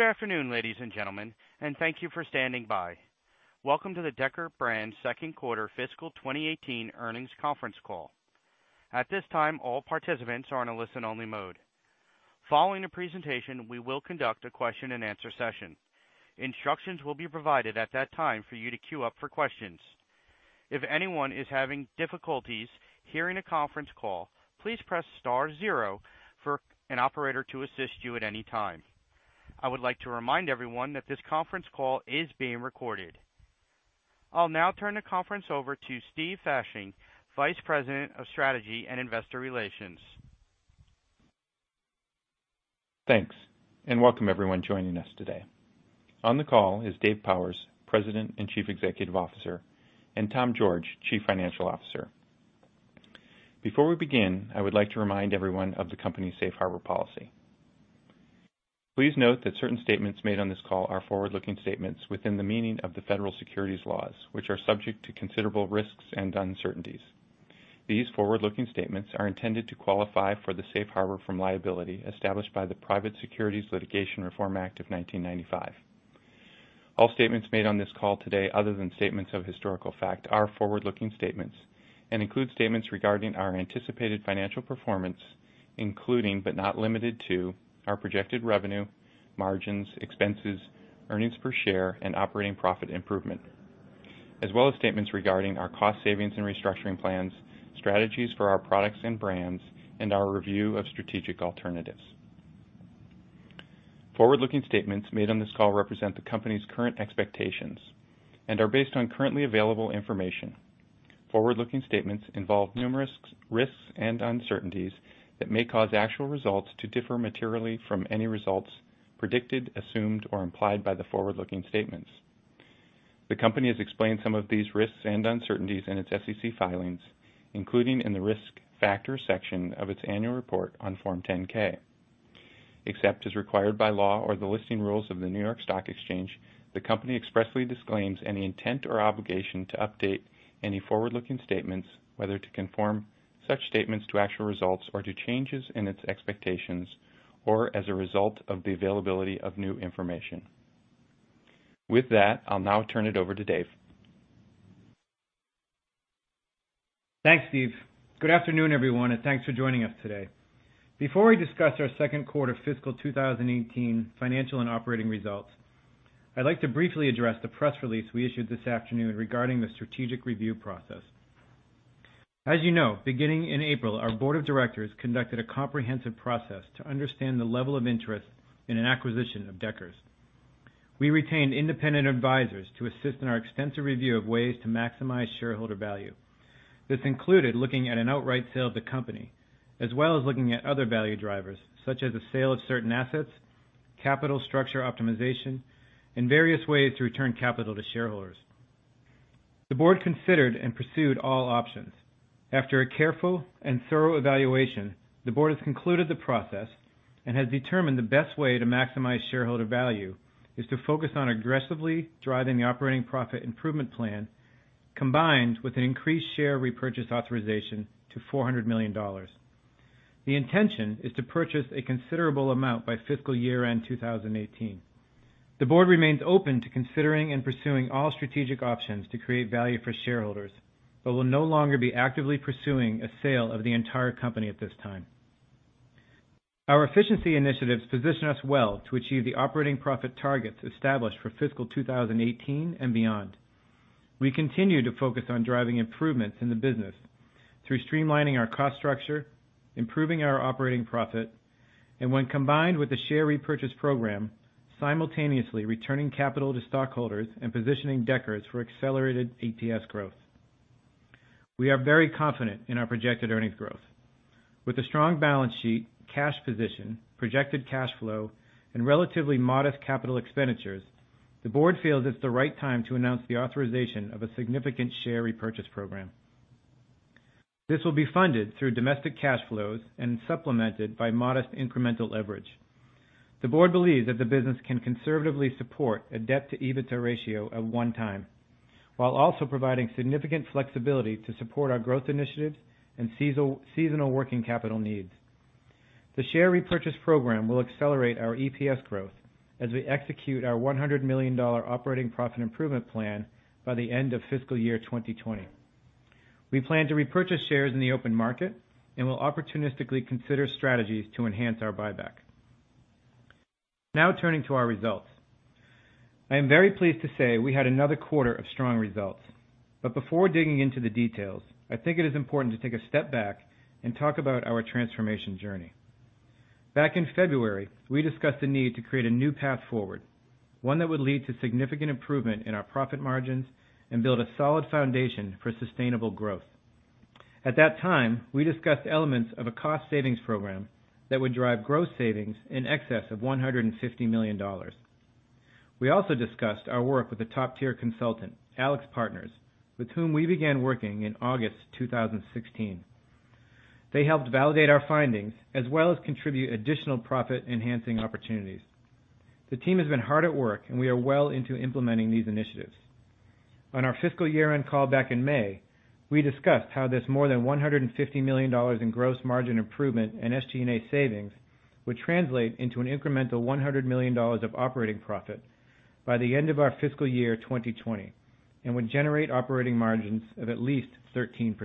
Good afternoon, ladies and gentlemen. Thank you for standing by. Welcome to the Deckers Brands second quarter fiscal 2018 earnings conference call. At this time, all participants are in a listen-only mode. Following the presentation, we will conduct a question-and-answer session. Instructions will be provided at that time for you to queue up for questions. If anyone is having difficulties hearing the conference call, please press star zero for an operator to assist you at any time. I would like to remind everyone that this conference call is being recorded. I will now turn the conference over to Steven Fasching, Vice President of Strategy and Investor Relations. Thanks. Welcome everyone joining us today. On the call is Dave Powers, President and Chief Executive Officer, and Thomas George, Chief Financial Officer. Before we begin, I would like to remind everyone of the company's safe harbor policy. Please note that certain statements made on this call are forward-looking statements within the meaning of the federal securities laws, which are subject to considerable risks and uncertainties. These forward-looking statements are intended to qualify for the safe harbor from liability established by the Private Securities Litigation Reform Act of 1995. All statements made on this call today, other than statements of historical fact, are forward-looking statements and include statements regarding our anticipated financial performance, including, but not limited to, our projected revenue, margins, expenses, earnings per share, and operating profit improvement. As well as statements regarding our cost savings and restructuring plans, strategies for our products and brands, and our review of strategic alternatives. Forward-looking statements made on this call represent the company's current expectations and are based on currently available information. Forward-looking statements involve numerous risks and uncertainties that may cause actual results to differ materially from any results predicted, assumed, or implied by the forward-looking statements. The company has explained some of these risks and uncertainties in its SEC filings, including in the risk factors section of its annual report on Form 10-K. Except as required by law or the listing rules of the New York Stock Exchange, the company expressly disclaims any intent or obligation to update any forward-looking statements, whether to conform such statements to actual results or to changes in its expectations, or as a result of the availability of new information. With that, I will now turn it over to Dave. Thanks, Steve. Good afternoon, everyone, and thanks for joining us today. Before we discuss our second quarter fiscal 2018 financial and operating results, I'd like to briefly address the press release we issued this afternoon regarding the strategic review process. As you know, beginning in April, our board of directors conducted a comprehensive process to understand the level of interest in an acquisition of Deckers. We retained independent advisors to assist in our extensive review of ways to maximize shareholder value. This included looking at an outright sale of the company, as well as looking at other value drivers such as the sale of certain assets, capital structure optimization, and various ways to return capital to shareholders. The board considered and pursued all options. After a careful and thorough evaluation, the board has concluded the process and has determined the best way to maximize shareholder value is to focus on aggressively driving the operating profit improvement plan, combined with an increased share repurchase authorization to $400 million. The intention is to purchase a considerable amount by fiscal year end 2018. The board remains open to considering and pursuing all strategic options to create value for shareholders, but will no longer be actively pursuing a sale of the entire company at this time. Our efficiency initiatives position us well to achieve the operating profit targets established for fiscal 2018 and beyond. We continue to focus on driving improvements in the business through streamlining our cost structure, improving our operating profit, and when combined with the share repurchase program, simultaneously returning capital to stockholders and positioning Deckers for accelerated EPS growth. We are very confident in our projected earnings growth. With a strong balance sheet, cash position, projected cash flow, and relatively modest capital expenditures, the board feels it's the right time to announce the authorization of a significant share repurchase program. This will be funded through domestic cash flows and supplemented by modest incremental leverage. The board believes that the business can conservatively support a debt-to-EBITDA ratio of one time, while also providing significant flexibility to support our growth initiatives and seasonal working capital needs. The share repurchase program will accelerate our EPS growth as we execute our $100 million operating profit improvement plan by the end of fiscal year 2020. We plan to repurchase shares in the open market and will opportunistically consider strategies to enhance our buyback. Now turning to our results. I am very pleased to say we had another quarter of strong results. Before digging into the details, I think it is important to take a step back and talk about our transformation journey. Back in February, we discussed the need to create a new path forward, one that would lead to significant improvement in our profit margins and build a solid foundation for sustainable growth. At that time, we discussed elements of a cost savings program that would drive gross savings in excess of $150 million. We also discussed our work with a top-tier consultant, AlixPartners, with whom we began working in August 2016. They helped validate our findings as well as contribute additional profit-enhancing opportunities. The team has been hard at work, and we are well into implementing these initiatives. On our fiscal year-end call back in May, we discussed how this more than $150 million in gross margin improvement and SG&A savings would translate into an incremental $100 million of operating profit by the end of our fiscal year 2020, and would generate operating margins of at least 13%.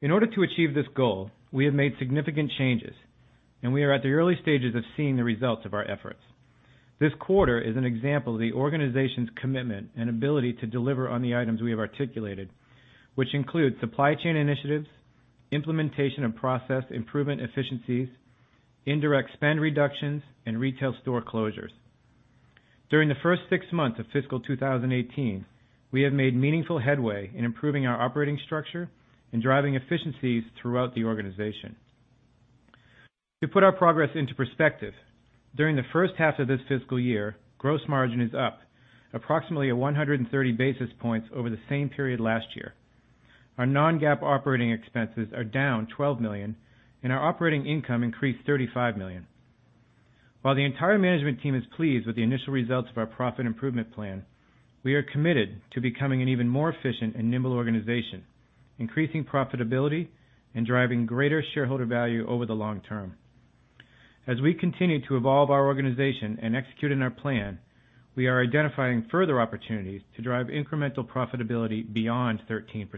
In order to achieve this goal, we have made significant changes, and we are at the early stages of seeing the results of our efforts. This quarter is an example of the organization's commitment and ability to deliver on the items we have articulated, which include supply chain initiatives, implementation of process improvement efficiencies, indirect spend reductions, and retail store closures. During the first six months of fiscal 2018, we have made meaningful headway in improving our operating structure and driving efficiencies throughout the organization. To put our progress into perspective, during the first half of this fiscal year, gross margin is up approximately 130 basis points over the same period last year. Our non-GAAP operating expenses are down $12 million, and our operating income increased $35 million. While the entire management team is pleased with the initial results of our profit improvement plan, we are committed to becoming an even more efficient and nimble organization, increasing profitability and driving greater shareholder value over the long term. As we continue to evolve our organization and execute on our plan, we are identifying further opportunities to drive incremental profitability beyond 13%.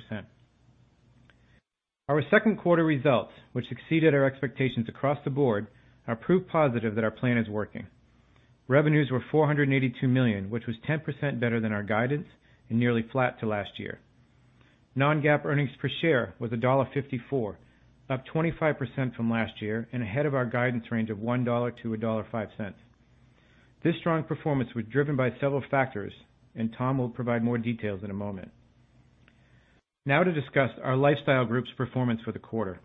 Our second quarter results, which exceeded our expectations across the board, are proof positive that our plan is working. Revenues were $482 million, which was 10% better than our guidance and nearly flat to last year. Non-GAAP earnings per share was $1.54, up 25% from last year and ahead of our guidance range of $1 to $1.05. This strong performance was driven by several factors, and Tom will provide more details in a moment. Now to discuss our Lifestyle Group's performance for the quarter.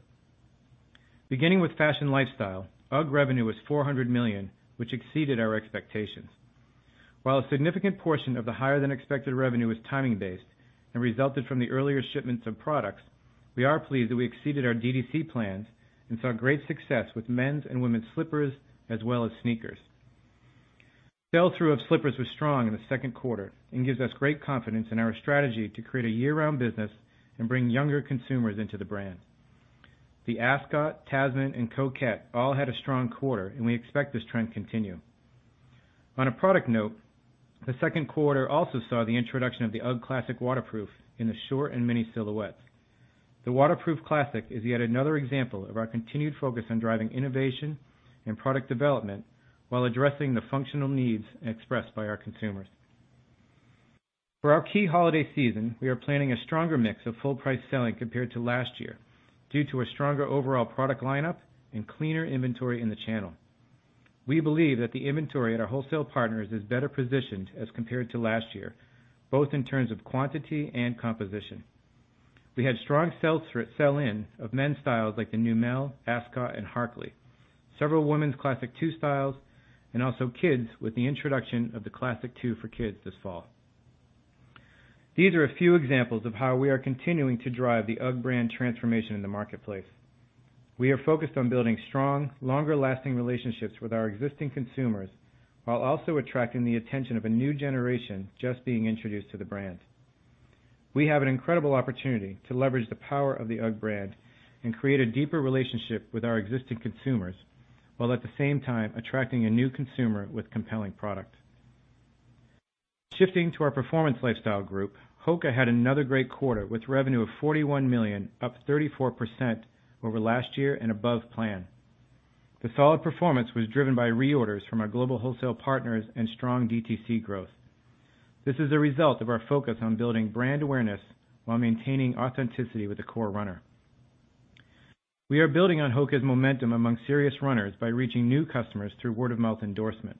Beginning with Fashion Lifestyle, UGG revenue was $400 million, which exceeded our expectations. While a significant portion of the higher-than-expected revenue was timing based and resulted from the earlier shipments of products, we are pleased that we exceeded our DTC plans and saw great success with men's and women's slippers, as well as sneakers. Sell-through of slippers was strong in the second quarter and gives us great confidence in our strategy to create a year-round business and bring younger consumers into the brand. The Ascot, Tasman, and Coquette all had a strong quarter, and we expect this trend to continue. On a product note, the second quarter also saw the introduction of the UGG Classic Waterproof in the Short and Mini silhouettes. The Waterproof Classic is yet another example of our continued focus on driving innovation and product development while addressing the functional needs expressed by our consumers. For our key holiday season, we are planning a stronger mix of full price selling compared to last year due to a stronger overall product lineup and cleaner inventory in the channel. We believe that the inventory at our wholesale partners is better positioned as compared to last year, both in terms of quantity and composition. We had strong sell-in of men's styles like the Neumel, Ascot, and Harkley, several women's Classic II styles, and also kids with the introduction of the Classic II for kids this fall. These are a few examples of how we are continuing to drive the UGG brand transformation in the marketplace. We are focused on building strong, longer-lasting relationships with our existing consumers while also attracting the attention of a new generation just being introduced to the brand. We have an incredible opportunity to leverage the power of the UGG brand and create a deeper relationship with our existing consumers, while at the same time attracting a new consumer with compelling product. Shifting to our Performance Lifestyle group, HOKA had another great quarter with revenue of $41 million, up 34% over last year and above plan. The solid performance was driven by reorders from our global wholesale partners and strong DTC growth. This is a result of our focus on building brand awareness while maintaining authenticity with the core runner. We are building on HOKA's momentum among serious runners by reaching new customers through word-of-mouth endorsement.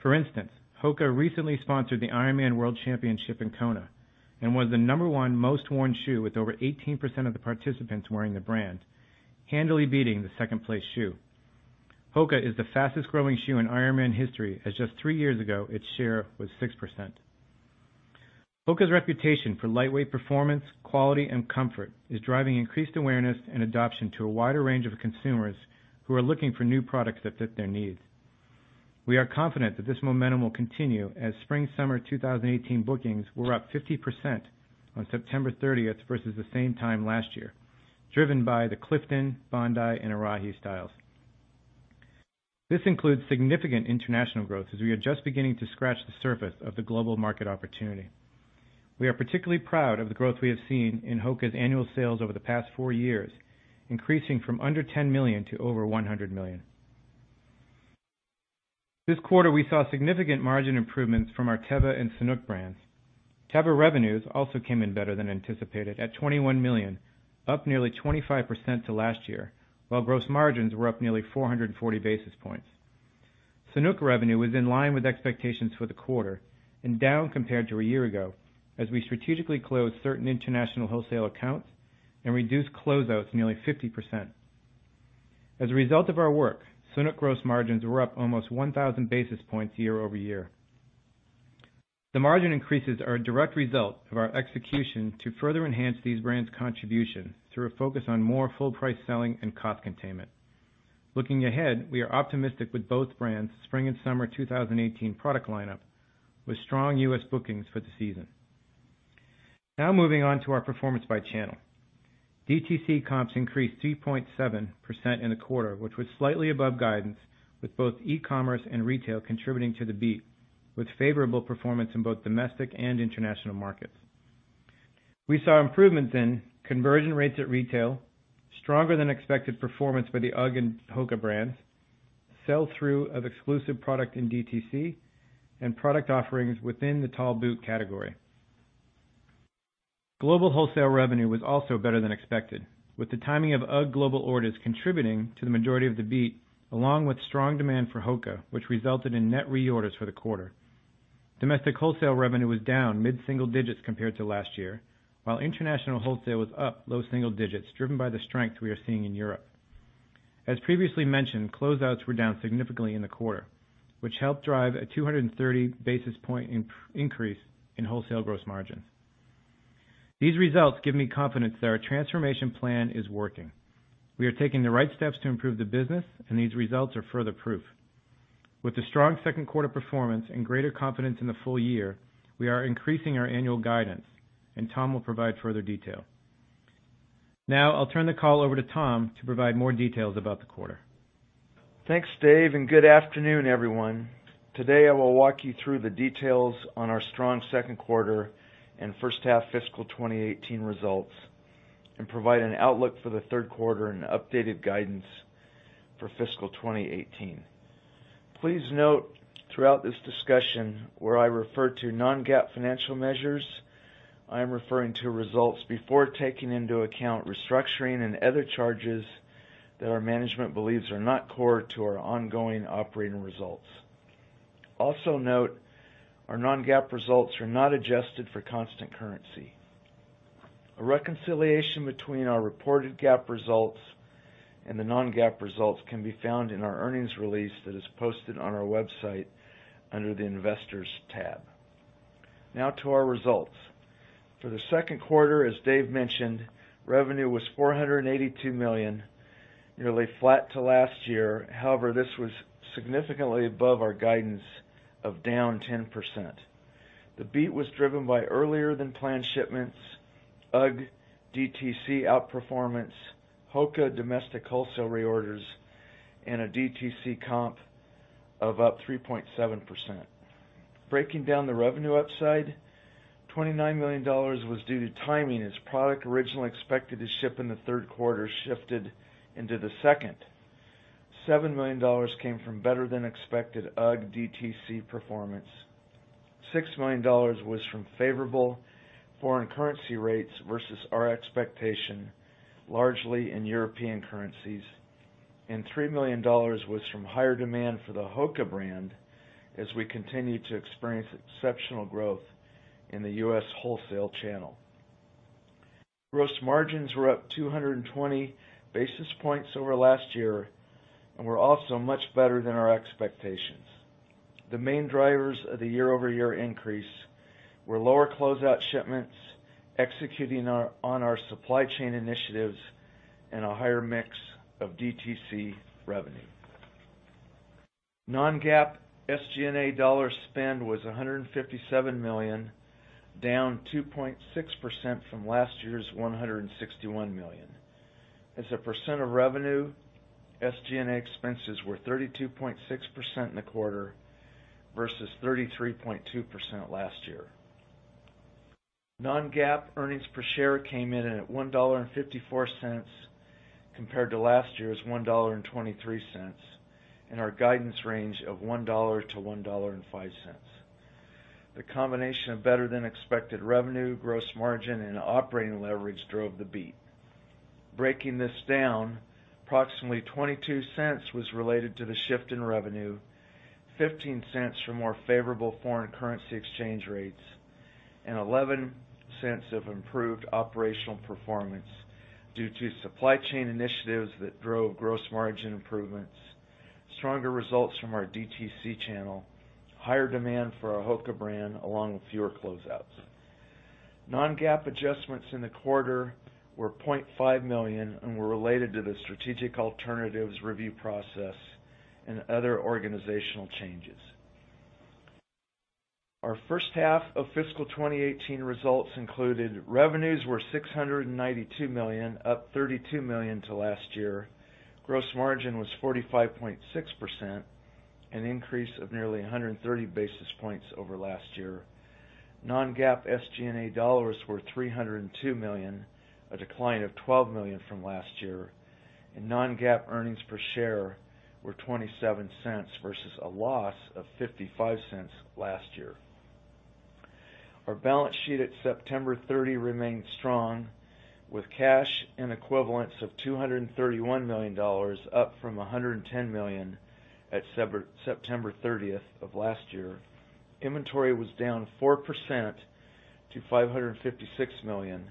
For instance, HOKA recently sponsored the Ironman World Championship in Kona and was the number 1 most worn shoe with over 18% of the participants wearing the brand, handily beating the second-place shoe. HOKA is the fastest-growing shoe in Ironman history, as just three years ago, its share was 6%. HOKA's reputation for lightweight performance, quality, and comfort is driving increased awareness and adoption to a wider range of consumers who are looking for new products that fit their needs. We are confident that this momentum will continue as Spring-Summer 2018 bookings were up 50% on September 30th versus the same time last year, driven by the Clifton, Bondi, and Arahi styles. This includes significant international growth, as we are just beginning to scratch the surface of the global market opportunity. We are particularly proud of the growth we have seen in HOKA's annual sales over the past four years, increasing from under $10 million to over $100 million. This quarter, we saw significant margin improvements from our Teva and Sanuk brands. Teva revenues also came in better than anticipated at $21 million, up nearly 25% to last year, while gross margins were up nearly 440 basis points. Sanuk revenue was in line with expectations for the quarter and down compared to a year ago, as we strategically closed certain international wholesale accounts and reduced closeouts nearly 50%. As a result of our work, Sanuk gross margins were up almost 1,000 basis points year-over-year. The margin increases are a direct result of our execution to further enhance these brands' contribution through a focus on more full price selling and cost containment. Looking ahead, we are optimistic with both brands' Spring and Summer 2018 product lineup, with strong U.S. bookings for the season. Moving on to our performance by channel. DTC comps increased 3.7% in the quarter, which was slightly above guidance, with both e-commerce and retail contributing to the beat, with favorable performance in both domestic and international markets. We saw improvements in conversion rates at retail, stronger than expected performance by the UGG and HOKA brands, sell-through of exclusive product in DTC, and product offerings within the tall boot category. Global wholesale revenue was also better than expected, with the timing of UGG global orders contributing to the majority of the beat, along with strong demand for HOKA, which resulted in net reorders for the quarter. Domestic wholesale revenue was down mid-single digits compared to last year, while international wholesale was up low single digits, driven by the strength we are seeing in Europe. As previously mentioned, closeouts were down significantly in the quarter, which helped drive a 230 basis point increase in wholesale gross margin. These results give me confidence that our transformation plan is working. We are taking the right steps to improve the business, and these results are further proof. With the strong second quarter performance and greater confidence in the full year, we are increasing our annual guidance. Tom will provide further detail. I'll turn the call over to Tom to provide more details about the quarter. Thanks, Dave, and good afternoon, everyone. I will walk you through the details on our strong second quarter and first half fiscal 2018 results and provide an outlook for the third quarter and updated guidance for fiscal 2018. Please note throughout this discussion, where I refer to non-GAAP financial measures, I am referring to results before taking into account restructuring and other charges that our management believes are not core to our ongoing operating results. Our non-GAAP results are not adjusted for constant currency. A reconciliation between our reported GAAP results and the non-GAAP results can be found in our earnings release that is posted on our website under the Investors tab. To our results. For the second quarter, as Dave mentioned, revenue was $482 million, nearly flat to last year. This was significantly above our guidance of down 10%. The beat was driven by earlier than planned shipments, UGG DTC outperformance, HOKA domestic wholesale reorders, and a DTC comp of up 3.7%. Breaking down the revenue upside, $29 million was due to timing, as product originally expected to ship in the third quarter shifted into the second. $7 million came from better-than-expected UGG DTC performance. $6 million was from favorable foreign currency rates versus our expectation, largely in European currencies. $3 million was from higher demand for the HOKA brand, as we continue to experience exceptional growth in the U.S. wholesale channel. Gross margins were up 220 basis points over last year and were also much better than our expectations. The main drivers of the year-over-year increase were lower closeout shipments, executing on our supply chain initiatives, and a higher mix of DTC revenue. Non-GAAP SG&A dollar spend was $157 million, down 2.6% from last year's $161 million. As a percent of revenue, SG&A expenses were 32.6% in the quarter versus 33.2% last year. Non-GAAP earnings per share came in at $1.54 compared to last year's $1.23 and our guidance range of $1 to $1.05. The combination of better-than-expected revenue, gross margin, and operating leverage drove the beat. Breaking this down, approximately $0.22 was related to the shift in revenue, $0.15 from more favorable foreign currency exchange rates, and $0.11 of improved operational performance due to supply chain initiatives that drove gross margin improvements, stronger results from our DTC channel, higher demand for our HOKA brand, along with fewer closeouts. Non-GAAP adjustments in the quarter were $0.5 million and were related to the strategic alternatives review process and other organizational changes. Our first half of fiscal 2018 results included revenues were $692 million, up $32 million to last year. Gross margin was 45.6%, an increase of nearly 130 basis points over last year. Non-GAAP SG&A dollars were $302 million, a decline of $12 million from last year. Non-GAAP earnings per share were $0.27 versus a loss of $0.55 last year. Our balance sheet at September 30 remained strong with cash and equivalents of $231 million, up from $110 million at September 30 of last year. Inventory was down 4% to $556 million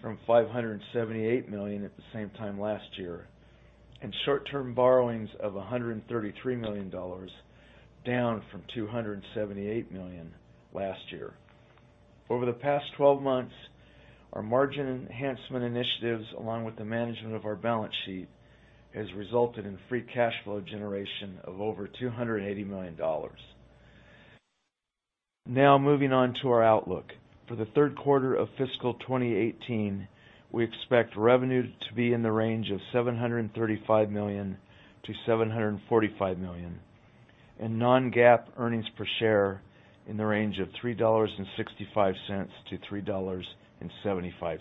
from $578 million at the same time last year. Short-term borrowings of $133 million, down from $278 million last year. Over the past 12 months, our margin enhancement initiatives, along with the management of our balance sheet, has resulted in free cash flow generation of over $280 million. Moving on to our outlook. For the third quarter of fiscal 2018, we expect revenue to be in the range of $735 million-$745 million, non-GAAP earnings per share in the range of $3.65 to $3.75.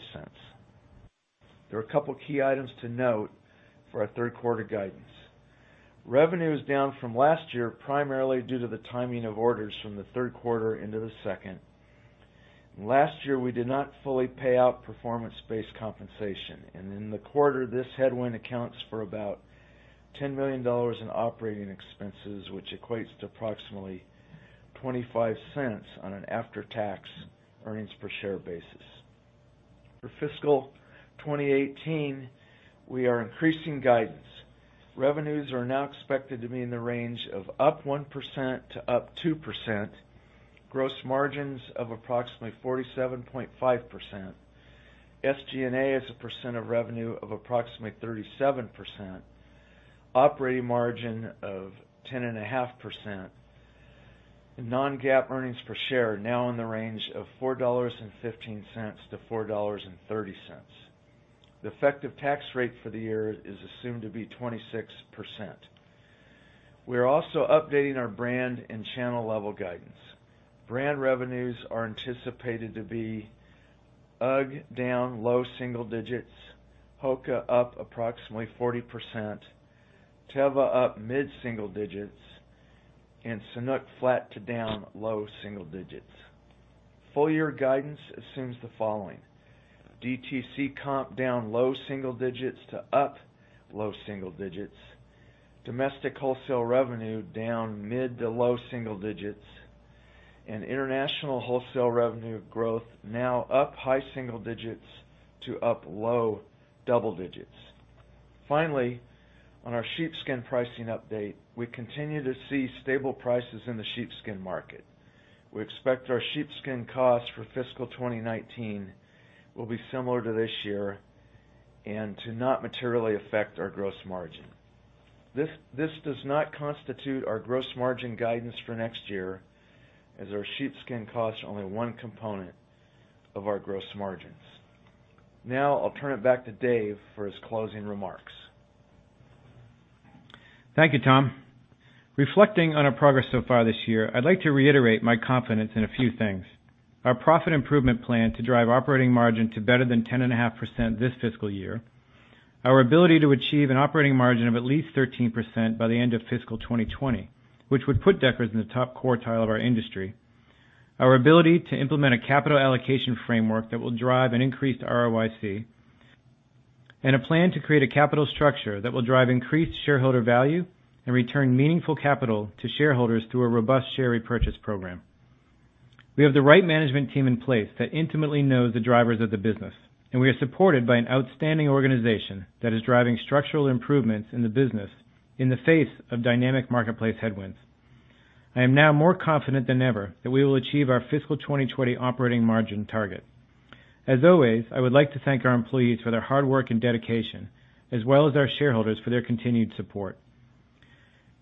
There are a couple key items to note for our third quarter guidance. Revenue is down from last year, primarily due to the timing of orders from the third quarter into the second. Last year, we did not fully pay out performance-based compensation, in the quarter, this headwind accounts for about $10 million in operating expenses, which equates to approximately $0.25 on an after-tax earnings per share basis. For fiscal 2018, we are increasing guidance. Revenues are now expected to be in the range of up 1%-up 2%, gross margins of approximately 47.5%, SG&A as a percent of revenue of approximately 37%, operating margin of 10.5%, non-GAAP earnings per share now in the range of $4.15 to $4.30. The effective tax rate for the year is assumed to be 26%. We are also updating our brand and channel level guidance. Brand revenues are anticipated to be UGG down low single digits, HOKA up approximately 40%, Teva up mid-single digits, Sanuk flat to down low single digits. Full year guidance assumes the following. DTC comp down low single digits to up low single digits, domestic wholesale revenue down mid to low single digits, international wholesale revenue growth now up high single digits to up low double digits. Finally, on our sheepskin pricing update, we continue to see stable prices in the sheepskin market. We expect our sheepskin costs for fiscal 2019 will be similar to this year and to not materially affect our gross margin. This does not constitute our gross margin guidance for next year, as our sheepskin cost is only one component of our gross margins. I'll turn it back to Dave for his closing remarks. Thank you, Tom. Reflecting on our progress so far this year, I'd like to reiterate my confidence in a few things. Our profit improvement plan to drive operating margin to better than 10.5% this fiscal year, our ability to achieve an operating margin of at least 13% by the end of fiscal 2020, which would put Deckers in the top quartile of our industry, our ability to implement a capital allocation framework that will drive an increased ROIC, and a plan to create a capital structure that will drive increased shareholder value and return meaningful capital to shareholders through a robust share repurchase program. We have the right management team in place that intimately knows the drivers of the business, and we are supported by an outstanding organization that is driving structural improvements in the business in the face of dynamic marketplace headwinds. I am now more confident than ever that we will achieve our fiscal 2020 operating margin target. As always, I would like to thank our employees for their hard work and dedication, as well as our shareholders for their continued support.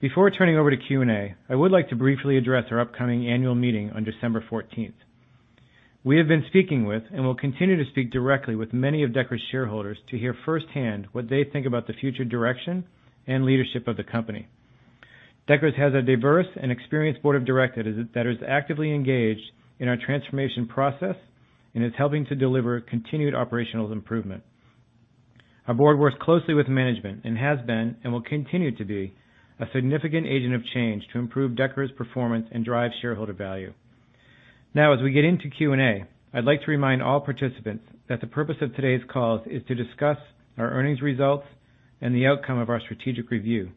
Before turning over to Q&A, I would like to briefly address our upcoming annual meeting on December 14th. We have been speaking with, and will continue to speak directly with many of Deckers' shareholders to hear firsthand what they think about the future direction and leadership of the company. Deckers has a diverse and experienced board of directors that is actively engaged in our transformation process and is helping to deliver continued operational improvement. Our board works closely with management and has been, and will continue to be, a significant agent of change to improve Deckers' performance and drive shareholder value. As we get into Q&A, I'd like to remind all participants that the purpose of today's call is to discuss our earnings results and the outcome of our strategic review.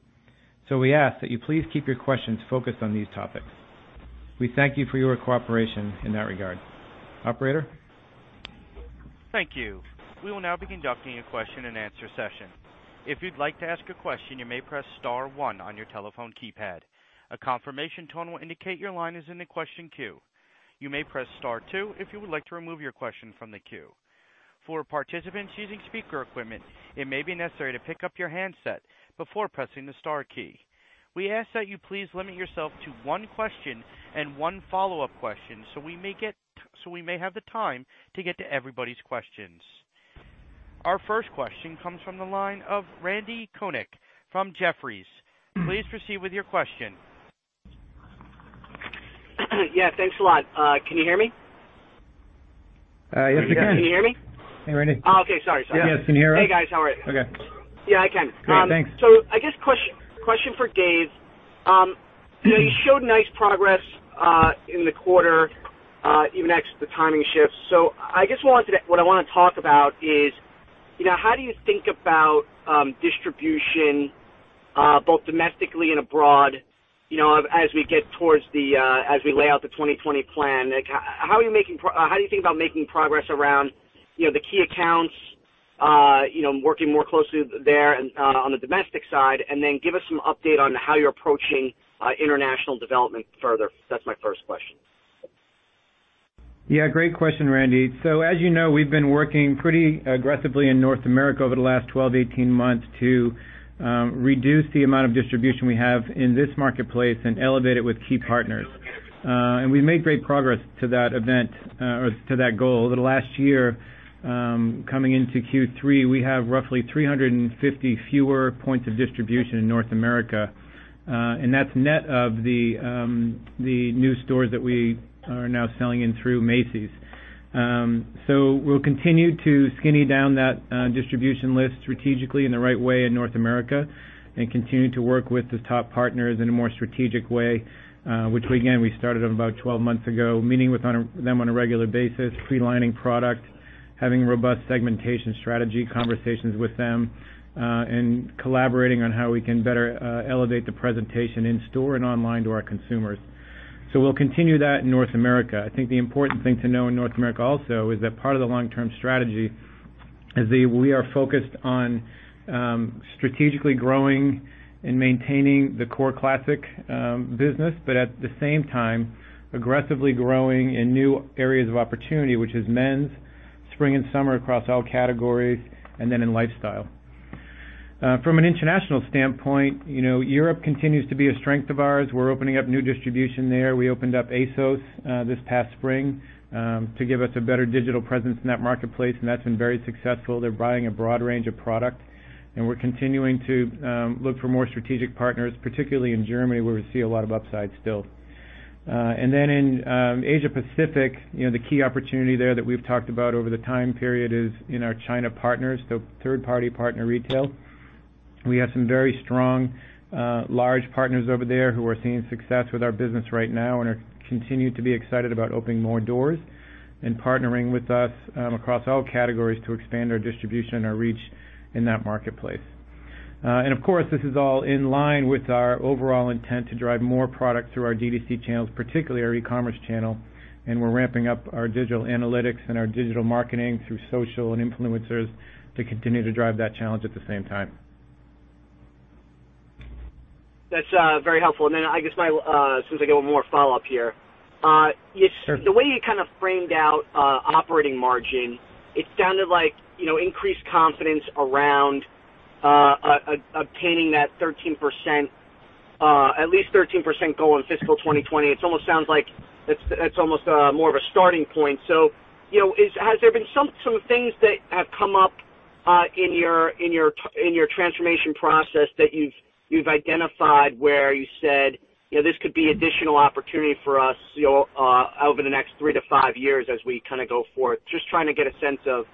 We ask that you please keep your questions focused on these topics. We thank you for your cooperation in that regard. Operator? Thank you. We will now be conducting a question and answer session. If you'd like to ask a question, you may press star one on your telephone keypad. A confirmation tone will indicate your line is in the question queue. You may press star two if you would like to remove your question from the queue. For participants using speaker equipment, it may be necessary to pick up your handset before pressing the star key. We ask that you please limit yourself to one question and one follow-up question so we may have the time to get to everybody's questions. Our first question comes from the line of Randal Konik from Jefferies. Please proceed with your question. Yeah, thanks a lot. Can you hear me? Yes, we can. Can you hear me? Hey, Randy. Oh, okay. Sorry. Yes, can you hear us? Hey, guys. How are you? Okay. Yeah, I can. Great. Thanks. I guess question for Dave. You showed nice progress in the quarter, even ex the timing shifts. I guess what I want to talk about is how do you think about distribution both domestically and abroad as we lay out the 2020 plan? How do you think about making progress around the key accounts, working more closely there on the domestic side, and then give us some update on how you're approaching international development further. That's my first question. Yeah, great question, Randy. As you know, we've been working pretty aggressively in North America over the last 12, 18 months to reduce the amount of distribution we have in this marketplace and elevate it with key partners. We've made great progress to that goal. Over the last year, coming into Q3, we have roughly 350 fewer points of distribution in North America. That's net of the new stores that we are now selling in through Macy's. We'll continue to skinny down that distribution list strategically in the right way in North America and continue to work with the top partners in a more strategic way, which again, we started about 12 months ago, meeting with them on a regular basis, free lining product, having robust segmentation strategy conversations with them, and collaborating on how we can better elevate the presentation in store and online to our consumers. We'll continue that in North America. I think the important thing to know in North America also is that part of the long-term strategy is that we are focused on strategically growing and maintaining the core classic business, but at the same time, aggressively growing in new areas of opportunity. Which is men's spring and summer across all categories, and then in lifestyle. From an international standpoint, Europe continues to be a strength of ours. We're opening up new distribution there. We opened up ASOS this past spring, to give us a better digital presence in that marketplace, and that's been very successful. They're buying a broad range of product, we're continuing to look for more strategic partners, particularly in Germany, where we see a lot of upside still. In Asia Pacific, the key opportunity there that we've talked about over the time period is in our China partners, the third-party partner retail. We have some very strong large partners over there who are seeing success with our business right now and are continuing to be excited about opening more doors and partnering with us across all categories to expand our distribution and our reach in that marketplace. Of course, this is all in line with our overall intent to drive more product through our D2C channels, particularly our e-commerce channel. We're ramping up our digital analytics and our digital marketing through social and influencers to continue to drive that challenge at the same time. That's very helpful. I guess since I got one more follow-up here. Sure. The way you framed out operating margin, it sounded like increased confidence around obtaining that at least 13% goal in fiscal 2020. It almost sounds like it's almost more of a starting point. Has there been some things that have come up in your transformation process that you've identified where you said, "This could be additional opportunity for us over the next three to five years as we go forth." Just trying to get a sense of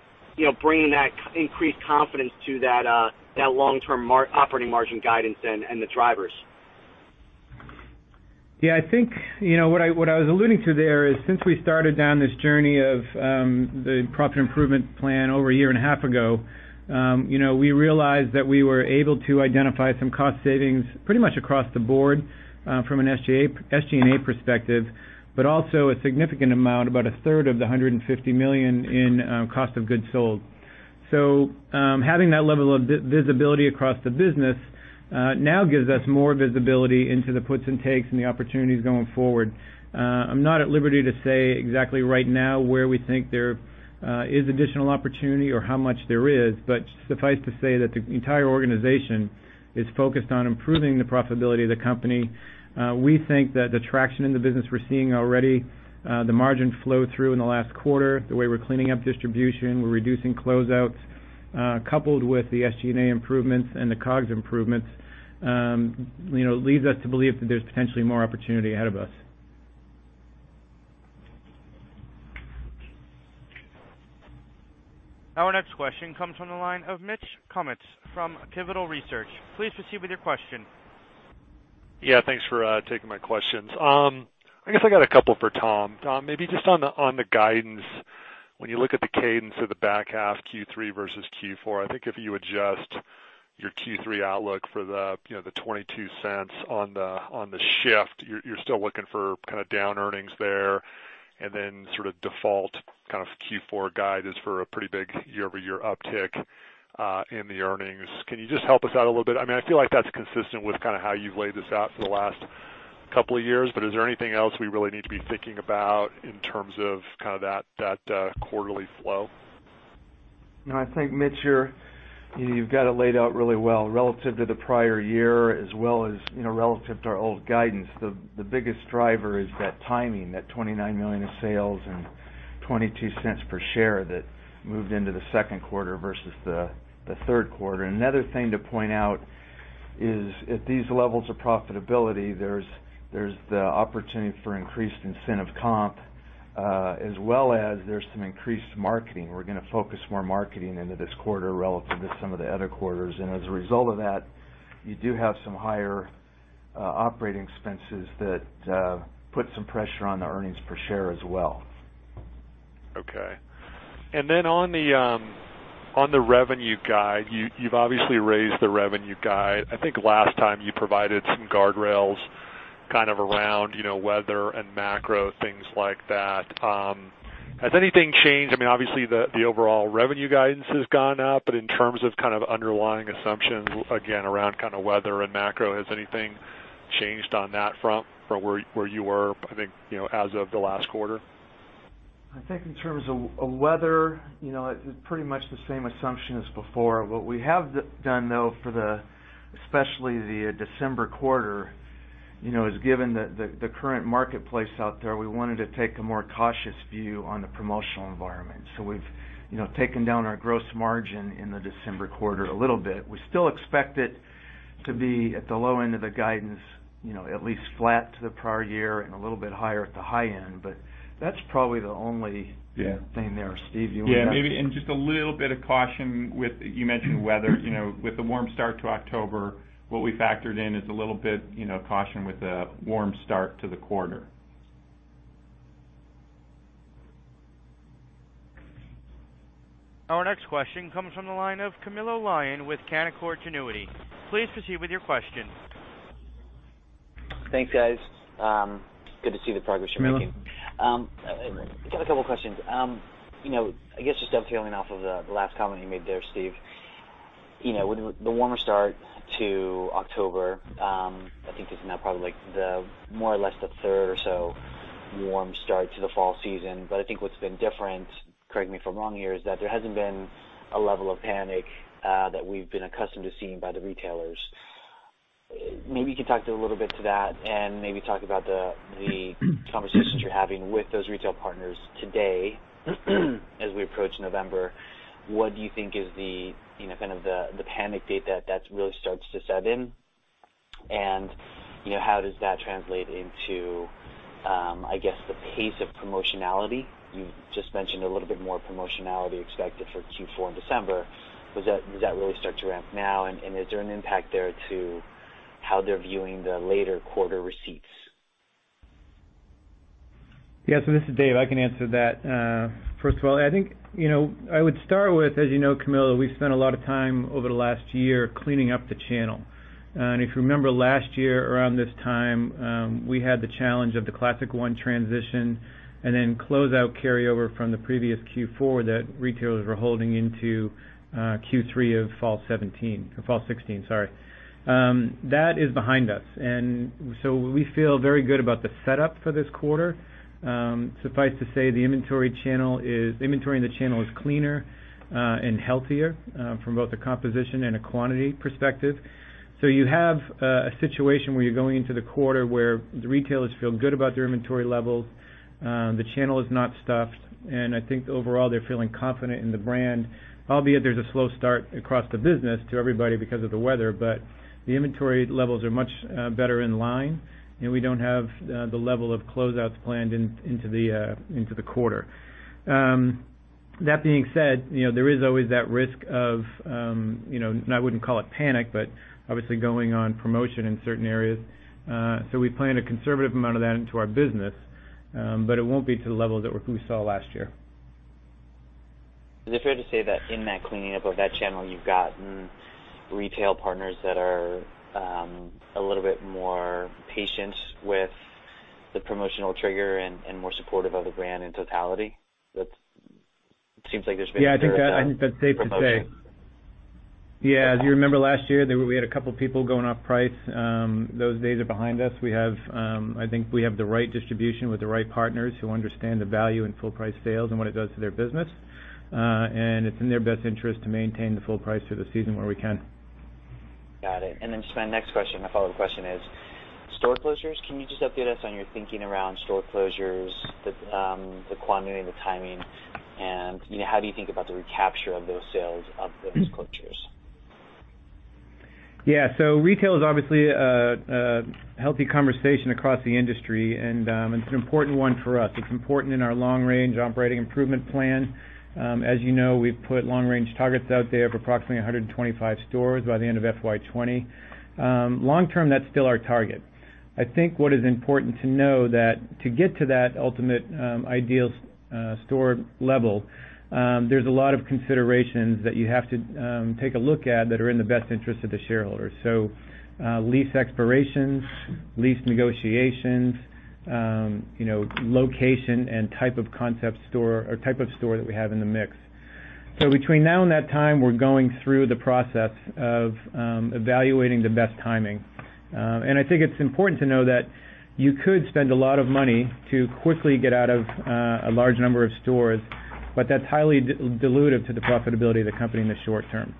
bringing that increased confidence to that long-term operating margin guidance and the drivers. I think what I was alluding to there is since we started down this journey of the profit improvement plan over a year and a half ago, we realized that we were able to identify some cost savings pretty much across the board from an SG&A perspective, but also a significant amount, about a third of the $150 million, in cost of goods sold. Having that level of visibility across the business now gives us more visibility into the puts and takes and the opportunities going forward. I'm not at liberty to say exactly right now where we think there is additional opportunity or how much there is, but suffice to say that the entire organization is focused on improving the profitability of the company. We think that the traction in the business we're seeing already, the margin flow through in the last quarter, the way we're cleaning up distribution, we're reducing closeouts, coupled with the SG&A improvements and the COGS improvements leads us to believe that there's potentially more opportunity ahead of us. Our next question comes from the line of Mitch Kummetz from Pivotal Research. Please proceed with your question. Thanks for taking my questions. I guess I got a couple for Tom. Tom, maybe just on the guidance, when you look at the cadence of the back half Q3 versus Q4, I think if you adjust your Q3 outlook for the $0.22 on the shift, you're still looking for down earnings there, and then default Q4 guide is for a pretty big year-over-year uptick in the earnings. Can you just help us out a little bit? I feel like that's consistent with how you've laid this out for the last couple of years, but is there anything else we really need to be thinking about in terms of that quarterly flow? I think, Mitch, you've got it laid out really well relative to the prior year as well as relative to our old guidance. The biggest driver is that timing, that $29 million of sales and $0.22 per share that moved into the second quarter versus the third quarter. Another thing to point out is at these levels of profitability, there's the opportunity for increased incentive comp, as well as there's some increased marketing. We're going to focus more marketing into this quarter relative to some of the other quarters. As a result of that, you do have some higher operating expenses that put some pressure on the earnings per share as well. Okay. On the revenue guide, you've obviously raised the revenue guide. I think last time you provided some guardrails kind of around weather and macro, things like that. Has anything changed? Obviously, the overall revenue guidance has gone up, but in terms of underlying assumptions, again, around weather and macro, has anything changed on that front from where you were, I think, as of the last quarter? I think in terms of weather, it's pretty much the same assumption as before. What we have done, though, for especially the December quarter, is given the current marketplace out there, we wanted to take a more cautious view on the promotional environment. We've taken down our gross margin in the December quarter a little bit. We still expect it to be at the low end of the guidance, at least flat to the prior year and a little bit higher at the high end. That's probably the only. Yeah thing there. Steve, you want to add? Yeah. Maybe, just a little bit of caution with, you mentioned weather. With the warm start to October, what we factored in is a little bit caution with the warm start to the quarter. Our next question comes from the line of Camilo Lyon with Canaccord Genuity. Please proceed with your question. Thanks, guys. Good to see the progress you're making. Camilo. I have a couple questions. I guess just dovetailing off of the last comment you made there, Steve. With the warmer start to October, I think this is now probably the more or less the third or so warm start to the fall season. I think what's been different, correct me if I'm wrong here, is that there hasn't been a level of panic that we've been accustomed to seeing by the retailers. Maybe you could talk a little bit to that and maybe talk about the conversations you're having with those retail partners today as we approach November. What do you think is the panic date that really starts to set in? How does that translate into, I guess, the pace of promotionality? You just mentioned a little bit more promotionality expected for Q4 in December. Does that really start to ramp now? Is there an impact there to how they're viewing the later quarter receipts? This is Dave. I can answer that. First of all, I would start with, as you know, Camilo, we've spent a lot of time over the last year cleaning up the channel. If you remember last year around this time, we had the challenge of the Classic I transition and then closeout carryover from the previous Q4 that retailers were holding into Q3 of fall 2017. Fall 2016, sorry. That is behind us, we feel very good about the setup for this quarter. Suffice to say, the inventory in the channel is cleaner and healthier from both a composition and a quantity perspective. You have a situation where you're going into the quarter where the retailers feel good about their inventory levels. The channel is not stuffed, I think overall, they're feeling confident in the brand. Albeit, there's a slow start across the business to everybody because of the weather, the inventory levels are much better in line, we don't have the level of closeouts planned into the quarter. That being said, there is always that risk of, I wouldn't call it panic, obviously going on promotion in certain areas. We planned a conservative amount of that into our business, it won't be to the level that we saw last year. Is it fair to say that in that cleaning up of that channel, you've gotten retail partners that are a little bit more patient with the promotional trigger and more supportive of the brand in totality? It seems like there's been a bit of a promotion. Yeah, I think that's safe to say. Yeah. As you remember, last year, we had a couple people going off price. Those days are behind us. I think we have the right distribution with the right partners who understand the value in full price sales and what it does to their business. It's in their best interest to maintain the full price through the season where we can. Got it. Just my next question, my follow-up question is store closures. Can you just update us on your thinking around store closures, the quantity, the timing, and how do you think about the recapture of those sales of those closures? Yeah. Retail is obviously a healthy conversation across the industry, and it's an important one for us. It's important in our long-range operating improvement plan. As you know, we've put long-range targets out there of approximately 125 stores by the end of FY 2020. Long term, that's still our target. I think what is important to know that to get to that ultimate ideal store level, there's a lot of considerations that you have to take a look at that are in the best interest of the shareholders. Lease expirations, lease negotiations, location and type of store that we have in the mix. Between now and that time, we're going through the process of evaluating the best timing. I think it's important to know that you could spend a lot of money to quickly get out of a large number of stores, but that's highly dilutive to the profitability of the company in the short term.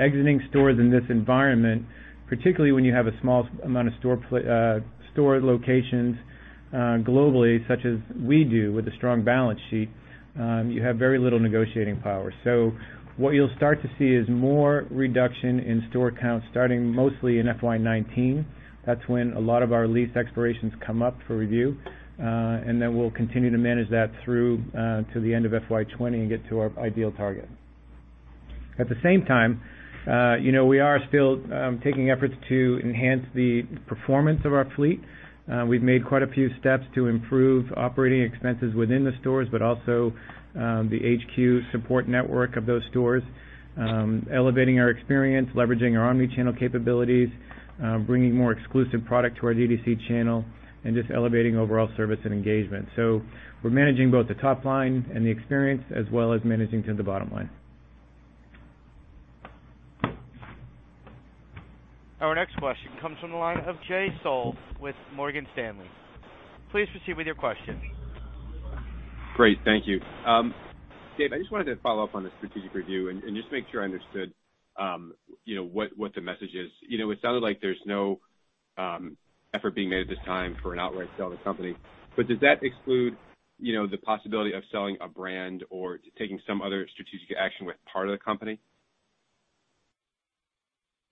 Exiting stores in this environment, particularly when you have a small amount of store locations globally, such as we do with a strong balance sheet, you have very little negotiating power. What you'll start to see is more reduction in store count starting mostly in FY 2019. That's when a lot of our lease expirations come up for review. Then we'll continue to manage that through to the end of FY 2020 and get to our ideal target. At the same time, we are still taking efforts to enhance the performance of our fleet. We've made quite a few steps to improve operating expenses within the stores, but also the HQ support network of those stores. Elevating our experience, leveraging our omnichannel capabilities, bringing more exclusive product to our D2C channel, and just elevating overall service and engagement. We're managing both the top line and the experience, as well as managing to the bottom line. Our next question comes from the line of Jay Sole with Morgan Stanley. Please proceed with your question. Great. Thank you. Dave, I just wanted to follow up on the strategic review and just make sure I understood what the message is. It sounded like there's no effort being made at this time for an outright sale of the company. Does that exclude the possibility of selling a brand or taking some other strategic action with part of the company?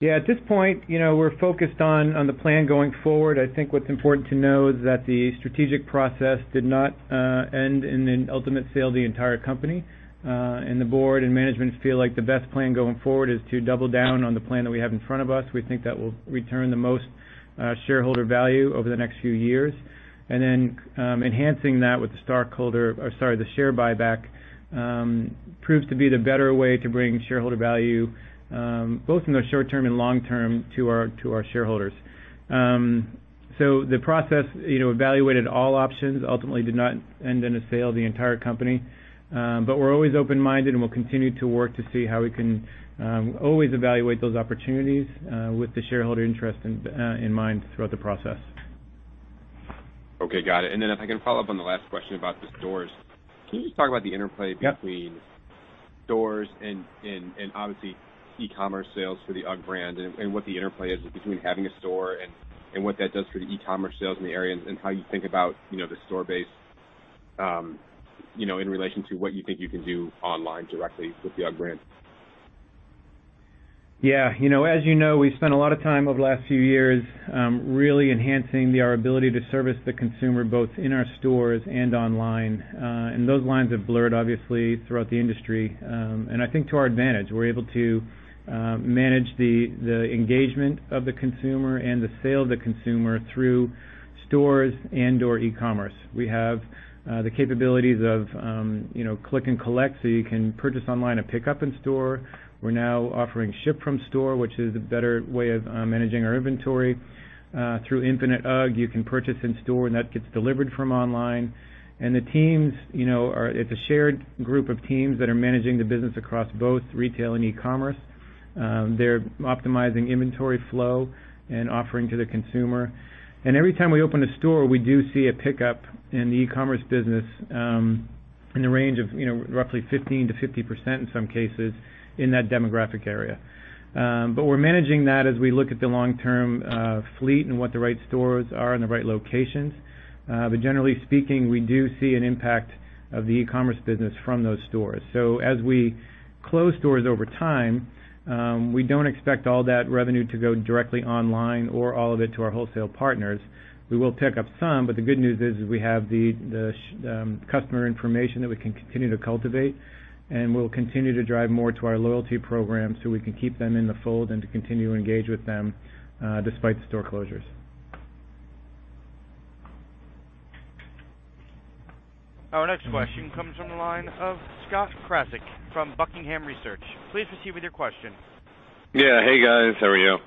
Yeah. At this point, we're focused on the plan going forward. I think what's important to know is that the strategic process did not end in an ultimate sale of the entire company. The board and management feel like the best plan going forward is to double down on the plan that we have in front of us. We think that will return the most shareholder value over the next few years. Enhancing that with the share buyback proves to be the better way to bring shareholder value, both in the short term and long term to our shareholders. The process evaluated all options, ultimately did not end in a sale of the entire company. We're always open-minded, and we'll continue to work to see how we can always evaluate those opportunities with the shareholder interest in mind throughout the process. Okay. Got it. If I can follow up on the last question about the stores. Can you just talk about the interplay between stores and obviously e-commerce sales for the UGG brand, and what the interplay is between having a store and what that does for the e-commerce sales in the area, and how you think about the store base in relation to what you think you can do online directly with the UGG brand. Yeah. As you know, we've spent a lot of time over the last few years really enhancing our ability to service the consumer, both in our stores and online. Those lines have blurred, obviously, throughout the industry. I think to our advantage. We're able to manage the engagement of the consumer and the sale of the consumer through stores and/or e-commerce. We have the capabilities of click and collect, so you can purchase online and pick up in store. We're now offering ship from store, which is a better way of managing our inventory. Through Infinite UGG, you can purchase in store, and that gets delivered from online. It's a shared group of teams that are managing the business across both retail and e-commerce. They're optimizing inventory flow and offering to the consumer. Every time we open a store, we do see a pickup in the e-commerce business in the range of roughly 15%-50% in some cases in that demographic area. We're managing that as we look at the long-term fleet and what the right stores are and the right locations. Generally speaking, we do see an impact of the e-commerce business from those stores. As we close stores over time, we don't expect all that revenue to go directly online or all of it to our wholesale partners. We will pick up some, but the good news is we have the customer information that we can continue to cultivate, and we'll continue to drive more to our loyalty program so we can keep them in the fold and to continue to engage with them despite the store closures. Our next question comes from the line of Scott Krasik from Buckingham Research. Please proceed with your question. Yeah. Hey, guys. How are you?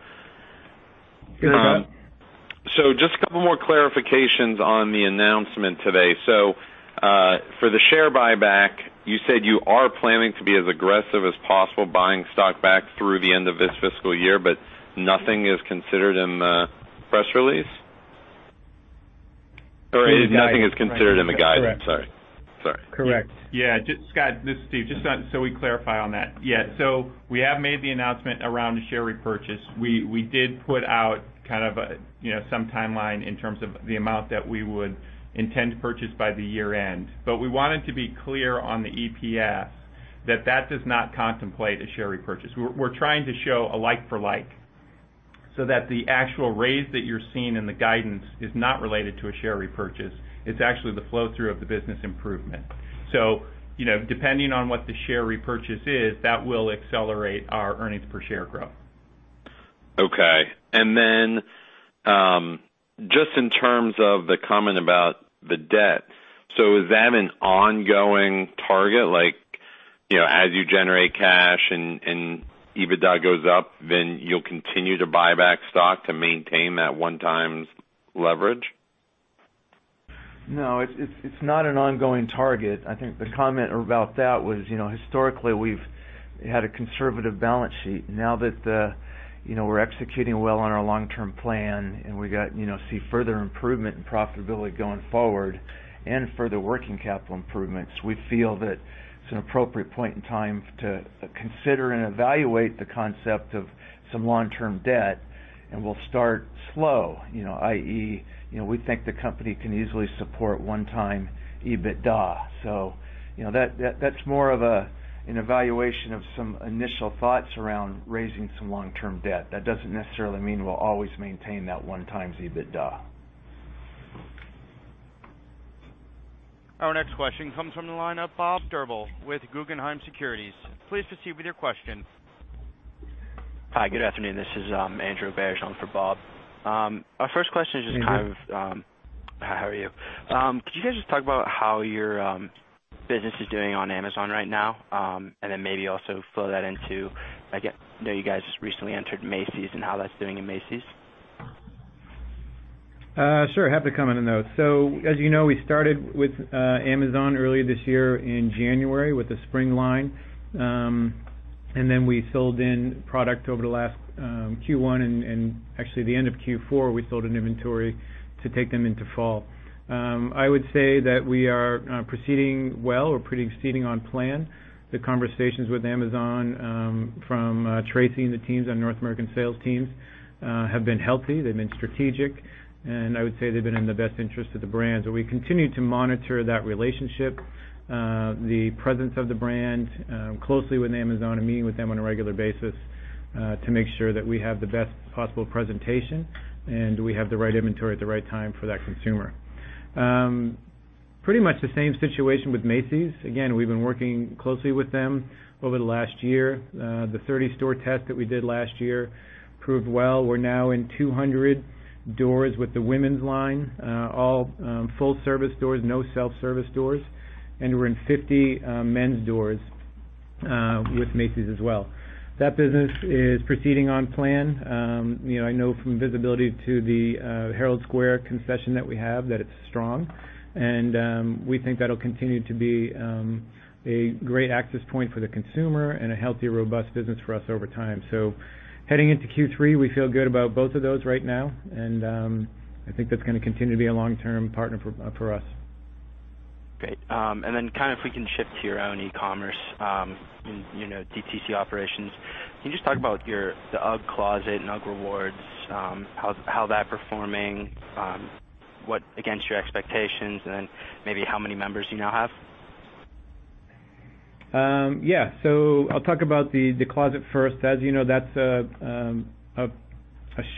Hey there, Scott. Just a couple more clarifications on the announcement today. For the share buyback, you said you are planning to be as aggressive as possible, buying stock back through the end of this fiscal year, but nothing is considered in the press release? Nothing is considered in the guidance. Sorry. Correct. Scott. This is Steve. Just so we clarify on that. We have made the announcement around a share repurchase. We did put out some timeline in terms of the amount that we would intend to purchase by the year-end. We wanted to be clear on the EPS that does not contemplate a share repurchase. We're trying to show a like for like, so that the actual raise that you're seeing in the guidance is not related to a share repurchase. It's actually the flow-through of the business improvement. Depending on what the share repurchase is, that will accelerate our earnings per share growth. Just in terms of the comment about the debt. Is that an ongoing target, like as you generate cash and EBITDA goes up, then you'll continue to buy back stock to maintain that 1 times leverage? It's not an ongoing target. I think the comment about that was historically, we've had a conservative balance sheet. Now that we're executing well on our long-term plan and we see further improvement in profitability going forward and further working capital improvements. We feel that it's an appropriate point in time to consider and evaluate the concept of some long-term debt, and we'll start slow. I.e., we think the company can easily support 1 time EBITDA. That's more of an evaluation of some initial thoughts around raising some long-term debt. That doesn't necessarily mean we'll always maintain that 1 times EBITDA. Our next question comes from the line of Bob Drbul with Guggenheim Securities. Please proceed with your question. Hi, good afternoon. This is Andrew Bear speaking for Bob. Our first question is just kind of Hi, how are you? Could you guys just talk about how your business is doing on Amazon right now? Maybe also flow that into, I know you guys recently entered Macy's, and how that's doing in Macy's. Sure. Happy to comment on those. As you know, we started with Amazon earlier this year in January with the spring line. We sold in product over the last Q1 and actually the end of Q4, we sold an inventory to take them into fall. I would say that we are proceeding well. We're pretty exceeding on plan. The conversations with Amazon from Tracy and the teams on North American sales teams have been healthy, they've been strategic, and I would say they've been in the best interest of the brand. We continue to monitor that relationship, the presence of the brand, closely with Amazon and meeting with them on a regular basis, to make sure that we have the best possible presentation and we have the right inventory at the right time for that consumer. Pretty much the same situation with Macy's. Again, we've been working closely with them over the last year. The 30 store test that we did last year proved well. We're now in 200 doors with the women's line. All full service doors, no self-service doors. We're in 50 men's doors with Macy's as well. That business is proceeding on plan. I know from visibility to the Herald Square concession that we have that it's strong, we think that'll continue to be a great access point for the consumer and a healthy, robust business for us over time. Heading into Q3, we feel good about both of those right now, I think that's going to continue to be a long-term partner for us. Great. Then kind of if we can shift to your own e-commerce, DTC operations, can you just talk about the UGG Closet and UGG Rewards, how that performing, what against your expectations, and then maybe how many members you now have? Yeah. I'll talk about the Closet first. As you know, that's a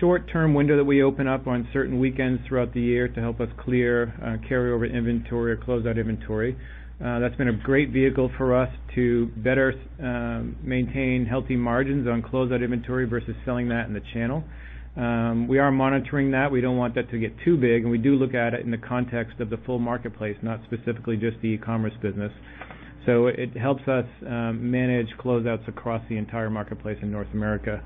short-term window that we open up on certain weekends throughout the year to help us clear carryover inventory or closeout inventory. That's been a great vehicle for us to better maintain healthy margins on closeout inventory versus selling that in the channel. We are monitoring that. We don't want that to get too big, and we do look at it in the context of the full marketplace, not specifically just the e-commerce business. It helps us manage closeouts across the entire marketplace in North America.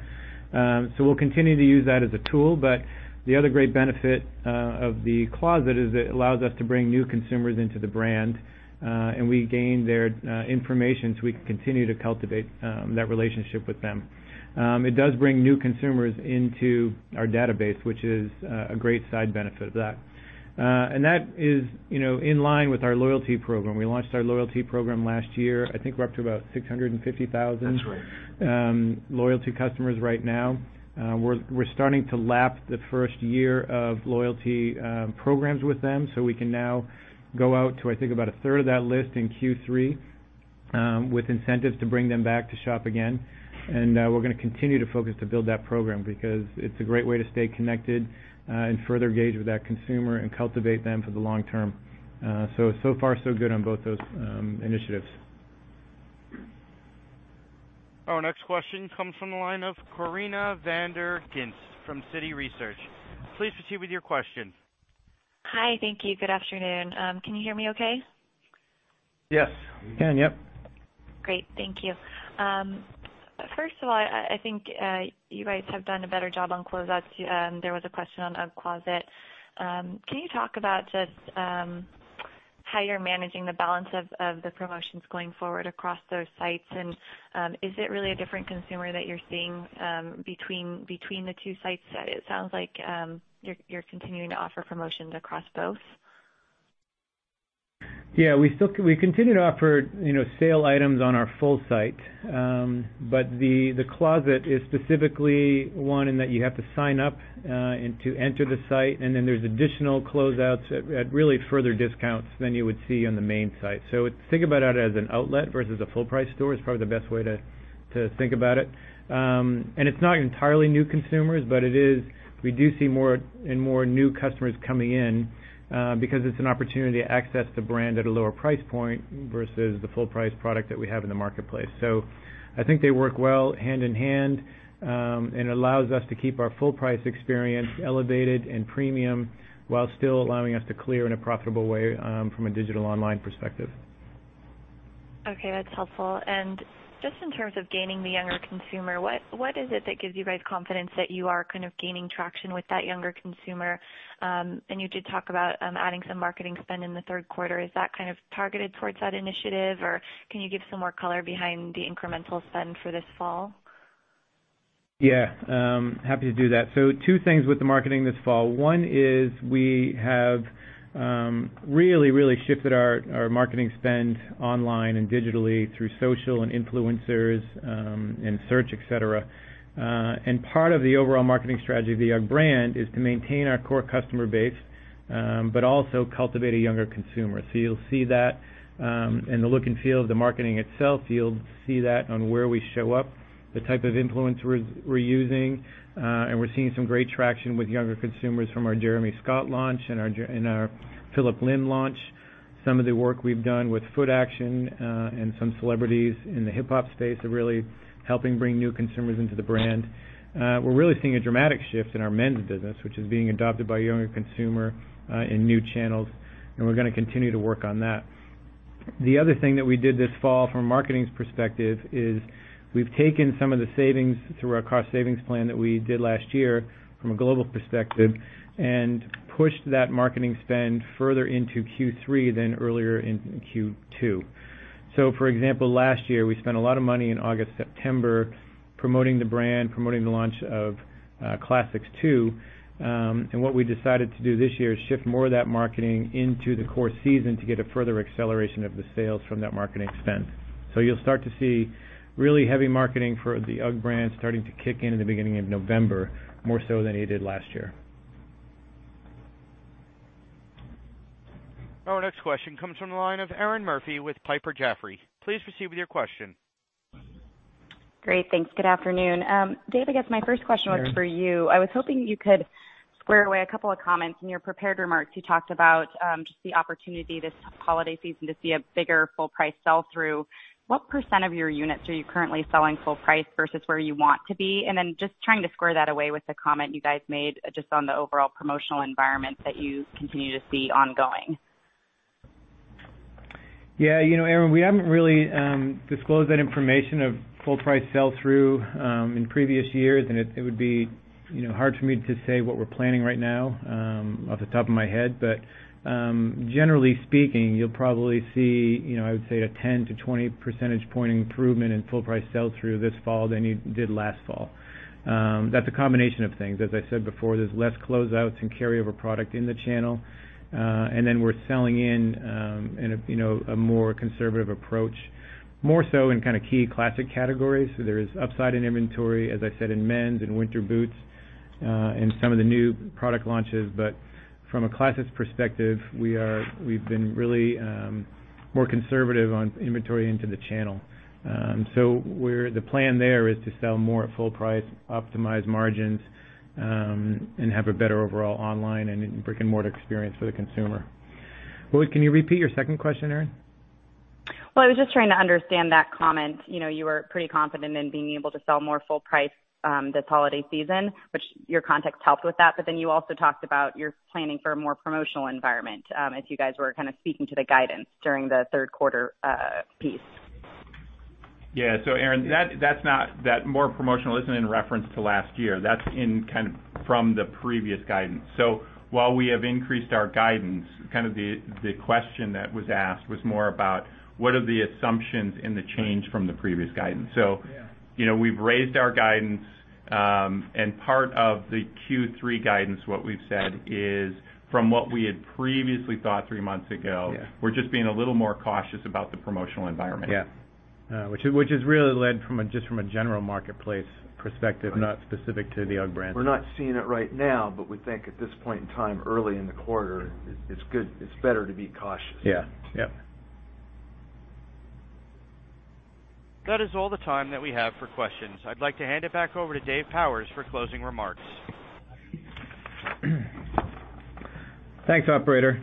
We'll continue to use that as a tool, but the other great benefit of the Closet is it allows us to bring new consumers into the brand, and we gain their information so we can continue to cultivate that relationship with them. It does bring new consumers into our database, which is a great side benefit of that. That is in line with our loyalty program. We launched our loyalty program last year. I think we're up to about 650,000. That's right. loyalty customers right now. We're starting to lap the first year of loyalty programs with them, so we can now go out to, I think, about a third of that list in Q3, with incentives to bring them back to shop again. We're going to continue to focus to build that program because it's a great way to stay connected, and further engage with that consumer and cultivate them for the long term. So far so good on both those initiatives. Our next question comes from the line of Corinna Van Der Ghinst from Citi Research. Please proceed with your question. Hi. Thank you. Good afternoon. Can you hear me okay? Yes. Can, yep. Great. Thank you. First of all, I think you guys have done a better job on closeouts. There was a question on UGG Closet. Can you talk about just how you're managing the balance of the promotions going forward across those sites, and is it really a different consumer that you're seeing between the two sites? It sounds like you're continuing to offer promotions across both. Yeah. We continue to offer sale items on our full site. The Closet is specifically one in that you have to sign up to enter the site, then there's additional closeouts at really further discounts than you would see on the main site. Think about it as an outlet versus a full price store is probably the best way to think about it. It's not entirely new consumers, but we do see more and more new customers coming in because it's an opportunity to access the UGG brand at a lower price point versus the full price product that we have in the marketplace. I think they work well hand in hand, allows us to keep our full price experience elevated and premium while still allowing us to clear in a profitable way, from a digital online perspective. Okay, that's helpful. Just in terms of gaining the younger consumer, what is it that gives you guys confidence that you are kind of gaining traction with that younger consumer? You did talk about adding some marketing spend in the third quarter. Is that kind of targeted towards that initiative, or can you give some more color behind the incremental spend for this fall? Yeah. Happy to do that. Two things with the marketing this fall. One is we have really, really shifted our marketing spend online and digitally through social and influencers, and search, et cetera. Part of the overall marketing strategy of the UGG brand is to maintain our core customer base, but also cultivate a younger consumer. You'll see that. The look and feel of the marketing itself, you'll see that on where we show up, the type of influence we're using. We're seeing some great traction with younger consumers from our Jeremy Scott launch and our Phillip Lim launch. Some of the work we've done with Footaction, and some celebrities in the hip hop space are really helping bring new consumers into the brand. We're really seeing a dramatic shift in our men's business, which is being adopted by a younger consumer, in new channels. We're going to continue to work on that. The other thing that we did this fall from a marketing perspective is we've taken some of the savings through our cost savings plan that we did last year from a global perspective, and pushed that marketing spend further into Q3 than earlier in Q2. For example, last year we spent a lot of money in August, September promoting the brand, promoting the launch of Classic II. What we decided to do this year is shift more of that marketing into the core season to get a further acceleration of the sales from that marketing spend. You'll start to see really heavy marketing for the UGG brand starting to kick in in the beginning of November, more so than it did last year. Our next question comes from the line of Erinn Murphy with Piper Jaffray. Please proceed with your question. Great. Thanks. Good afternoon. Dave, I guess my first question was for you. I was hoping you could square away a couple of comments. In your prepared remarks, you talked about just the opportunity this holiday season to see a bigger full price sell-through. What % of your units are you currently selling full price versus where you want to be? Just trying to square that away with the comment you guys made just on the overall promotional environment that you continue to see ongoing. Yeah, Erinn, we haven't really disclosed that information of full price sell-through in previous years. It would be hard for me to say what we're planning right now off the top of my head. Generally speaking, you'll probably see, I would say a 10 to 20 percentage point improvement in full price sell-through this fall than you did last fall. That's a combination of things. As I said before, there's less closeouts and carryover product in the channel. We're selling in a more conservative approach, more so in key classic categories. There is upside in inventory, as I said, in men's and winter boots, and some of the new product launches. From a Classics perspective, we've been really more conservative on inventory into the channel. The plan there is to sell more at full price, optimize margins, and have a better overall online and brick-and-mortar experience for the consumer. Can you repeat your second question, Erinn? Well, I was just trying to understand that comment. You were pretty confident in being able to sell more full price this holiday season, which your context helped with that. You also talked about your planning for a more promotional environment, as you guys were kind of speaking to the guidance during the third quarter piece. Yeah. Erinn, that more promotional isn't in reference to last year. That's from the previous guidance. While we have increased our guidance, kind of the question that was asked was more about what are the assumptions in the change from the previous guidance. We've raised our guidance, and part of the Q3 guidance, what we've said is from what we had previously thought three months ago. Yeah We're just being a little more cautious about the promotional environment. Yeah. Which has really led from just from a general marketplace perspective, not specific to the UGG brand. We're not seeing it right now, but we think at this point in time, early in the quarter, it's better to be cautious. Yeah. Yep. That is all the time that we have for questions. I'd like to hand it back over to Dave Powers for closing remarks. Thanks, operator.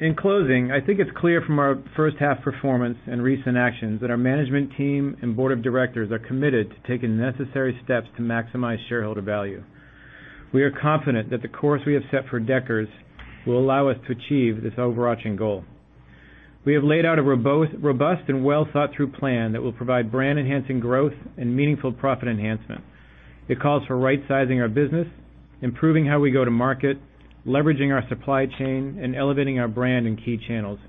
In closing, I think it's clear from our first half performance and recent actions that our management team and board of directors are committed to taking the necessary steps to maximize shareholder value. We are confident that the course we have set for Deckers will allow us to achieve this overarching goal. We have laid out a robust and well-thought-through plan that will provide brand-enhancing growth and meaningful profit enhancement. It calls for right-sizing our business, improving how we go to market, leveraging our supply chain, and elevating our brand in key channels.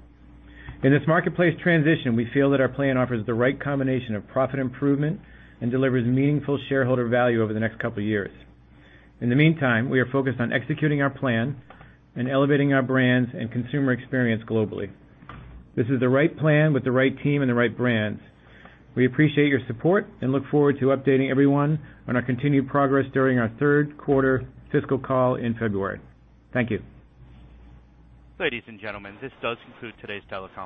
In this marketplace transition, we feel that our plan offers the right combination of profit improvement and delivers meaningful shareholder value over the next couple of years. In the meantime, we are focused on executing our plan and elevating our brands and consumer experience globally. This is the right plan with the right team and the right brands. We appreciate your support and look forward to updating everyone on our continued progress during our third quarter fiscal call in February. Thank you. Ladies and gentlemen, this does conclude today's teleconference.